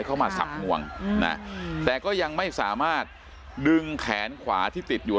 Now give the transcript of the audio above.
มาสับงวงนะแต่ก็ยังไม่สามารถดึงแขนขวาที่ติดอยู่